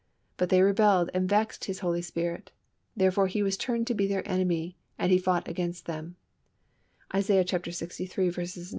But they rebelled, and vexed His Holy Spirit; therefore He was turned to be their enemy, and He fought against them" (Isaiah lxiii.